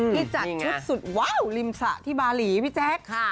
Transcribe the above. ที่จัดชุดสุดว้าวริมสระที่บาหลีพี่แจ๊ค